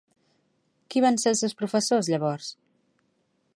Qui van ser els seus professors llavors?